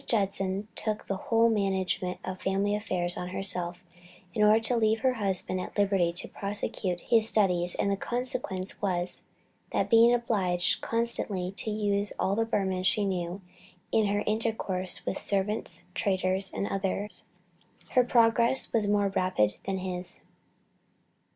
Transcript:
Judson took the whole management of family affairs on herself, in order to leave her husband at liberty to prosecute his studies and the consequence was, that being obliged constantly to use all the Burman she knew, in her intercourse with servants, traders, and others, her progress was more rapid than his.